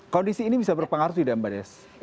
kondisi ini bisa berpengaruh tidak mbak des